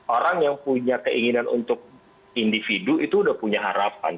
orang yang punya keinginan untuk individu itu udah punya harapan